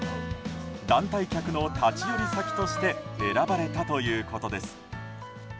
団体客の立ち寄り先として選ばれたということです。